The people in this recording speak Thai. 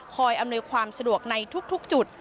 อำนวยความสะดวกในทุกจุด